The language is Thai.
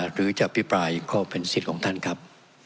หรือจะอภิปรายก็เป็นสิทธิ์ของท่านครับ